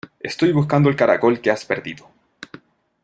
Estoy buscando el caracol que has perdido.